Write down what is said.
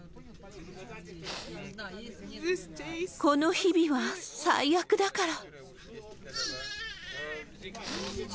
この日々は最悪だから。